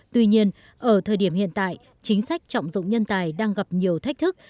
tuy nhiên ở thời điểm hiện tại chính sách trọng dụng nhân tài đang gặp nhiều thách thức